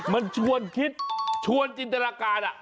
มันชวนคิดชวนจินตนาการ